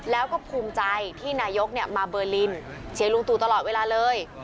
แล้วก็ภูมิใจที่นายกมาเบอร์ลินเชียร์ลุงตู่ตลอดเวลาเลย